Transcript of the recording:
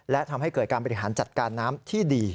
และทำให้เกิดการบริหารจัดการน้ำที่ดี